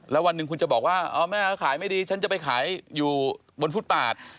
แล้ววันหนึ่งคุณจะบอกว่าแม่เขาขายไม่ดีฉันจะไปขายอยู่บนฟุตปาด